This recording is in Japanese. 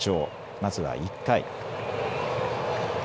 まずは１回。